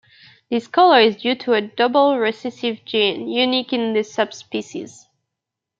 This colour is due to a double recessive gene unique in the subspecies.